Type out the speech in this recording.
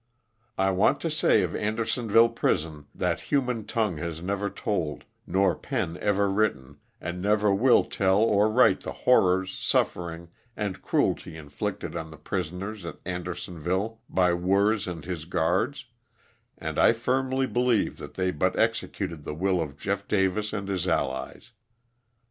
I want to say of Andersonville prison that human tongue has never told, nor pen ever writ ten and never will tell or write the horrors, suffering and cruelty inflicted on the prisoners at Andersonville by Werz and his guards, and I firmly believe that they but executed the will of Jeff Davis and his allies.